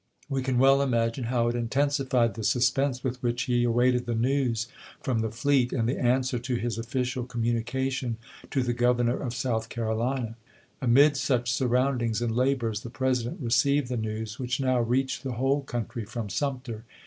We can well imagine how it intensified the suspense with which he awaited the news from the fleet and the answer to his official communication to the Governor of South Carolina. Amid such surroundings and labors the Presi dent received the news which now reached the whole country from Sumter.